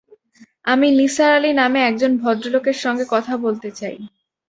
আমি নিসার আলি নামে এক জন ভদ্রলোকের সঙ্গে কথা বলতে চাই!